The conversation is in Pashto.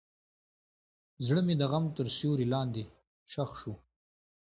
زړه مې د غم تر سیوري لاندې ښخ شو.